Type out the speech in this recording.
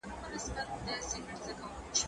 زدکړه د ښوونکي له خوا ښوول کيږي!؟